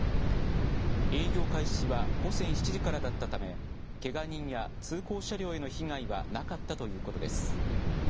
営業開始は午前７時からだったためけが人や通行車両への被害はなかったということです。